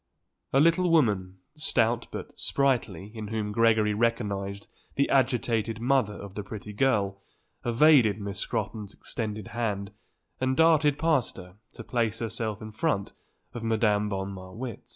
A little woman, stout but sprightly, in whom Gregory recognized the agitated mother of the pretty girl, evaded Miss Scrotton's extended hand and darted past her to place herself in front of Madame von Marwitz.